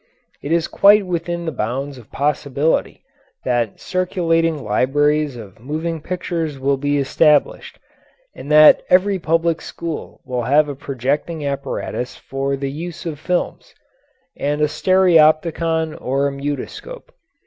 It is quite within the bounds of possibility that circulating libraries of moving pictures will be established, and that every public school will have a projecting apparatus for the use of films, and a stereopticon or a mutoscope.